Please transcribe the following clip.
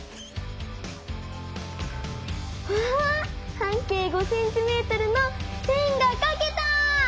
半径５ｃｍの円がかけた！